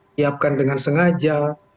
ini sudah diperkenalkan dengan sengaja